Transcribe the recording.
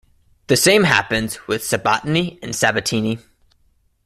The same happens with Sabattini and Sabatini.